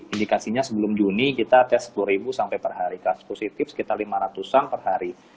indikasinya sebelum juni kita tes sepuluh ribu sampai per hari kasus positif sekitar lima ratus an per hari